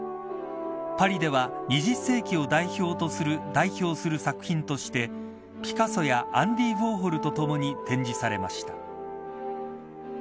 パリでは２０世紀を代表する作品としてピカソやアンディー・ウォーホルとともに展示されました。